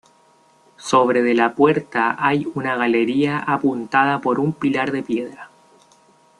Sobre de la puerta hay una galería apuntada por un pilar de piedra.